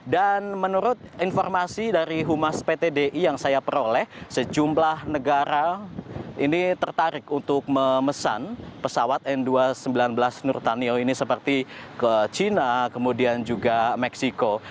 dan menurut informasi dari humas pt di yang saya peroleh sejumlah negara ini tertarik untuk memesan pesawat n dua ratus sembilan belas nurtanio ini seperti ke cina kemudian juga meksiko